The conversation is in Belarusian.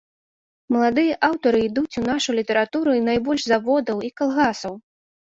Маладыя аўтары ідуць у нашу літаратуру найбольш з заводаў і калгасаў.